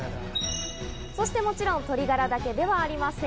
そして、もちろん鶏ガラだけではありません。